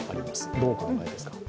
どうお考えですか。